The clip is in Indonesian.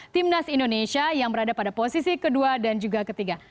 timnas indonesia yang berada pada posisi kedua dan juga ketiga